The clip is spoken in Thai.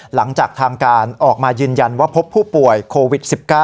หลังจากทางการออกมายืนยันว่าพบผู้ป่วยโควิด๑๙